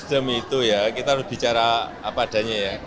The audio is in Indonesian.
sistem itu ya kita harus bicara apa adanya ya